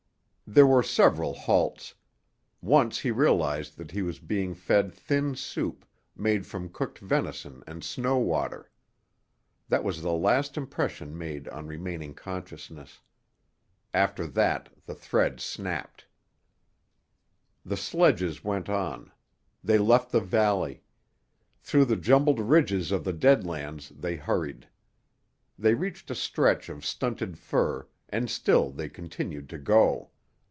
There were several halts. Once he realised that he was being fed thin soup, made from cooked venison and snow water. That was the last impression made on remaining consciousness. After that the thread snapped. The sledges went on. They left the valley. Through the jumbled ridges of the Dead Lands they hurried. They reached a stretch of stunted fir, and still they continued to go.